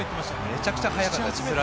めちゃくちゃ速かったです。